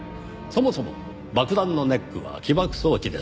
そもそも爆弾のネックは起爆装置です。